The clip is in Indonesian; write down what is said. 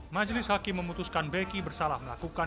majelis hakim memutuskan beki bersalah melakukan